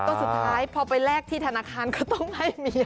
ก็สุดท้ายพอไปแลกที่ธนาคารก็ต้องให้มี